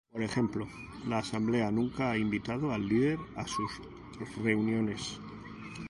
Por ejemplo, la asamblea nunca ha invitado al Líder a sus reuniones.